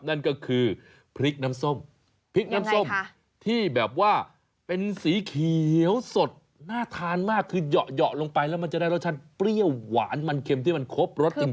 นั่นก็คือพริกน้ำส้มพริกน้ำส้มที่แบบว่าเป็นสีเขียวสดน่าทานมากคือเหยาะลงไปแล้วมันจะได้รสชาติเปรี้ยวหวานมันเข็มที่มันครบรสจริง